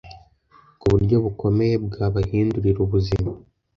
ku buryo bukomeye bwabahindurira ubuzima